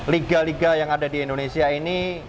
liga liga yang ada di indonesia ini